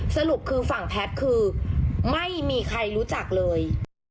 สรุปคือฝั่งแพทย์คือไม่มีใครรู้จักเลย